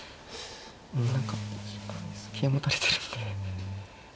何か桂も取れてるんで。